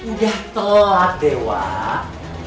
udah telat deh wak